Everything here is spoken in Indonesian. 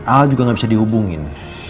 al juga gak bisa dihubungin